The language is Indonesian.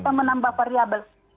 kita menambah variable